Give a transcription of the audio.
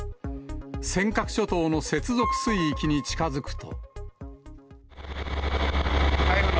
尖閣諸島の接続水域に近づくと。